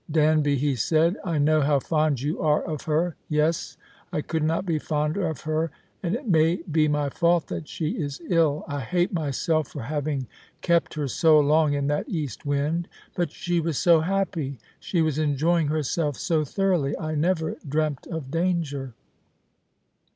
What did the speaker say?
Dauby," he said. " I know how fond you are of her." " Yes, I could not be fonder of her ; and it may be my fault that she is ill. I hate myself for having kept her so long in that east wind ; but she was so happy, she was enjoying herself so thoroughly. I never dreamt of danger."